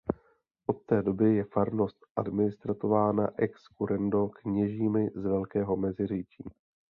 Od té doby je farnost administrována ex currendo kněžími z Velkého Meziříčí.